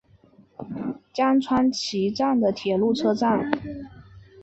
江川崎站的铁路车站。